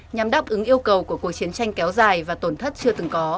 nhằm đáp ứng yêu cầu của cuộc chiến tranh kéo dài và tổn thất chưa từng có